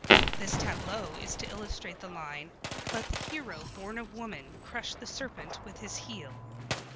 This tableau is to illustrate the line: "Let the hero born of woman crush the serpent with his heel."